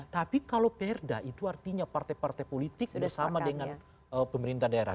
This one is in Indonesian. tapi kalau perda itu artinya partai partai politik bersama dengan pemerintahan daerah